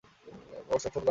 Course সংশোধন করা হয়েছে।